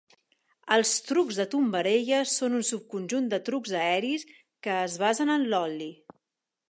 Els "trucs de tombarelles" són un subconjunt de trucs aeris que es basen en l'ol·li.